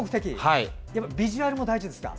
ビジュアルも大事ですか？